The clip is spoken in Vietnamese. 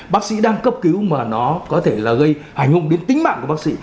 bác sĩ đang cấp cứu mà nó có thể là gây hành hùng đến tính mạng của bác sĩ